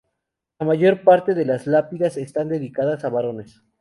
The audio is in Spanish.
La mayor parte de las lápidas están dedicadas a varones.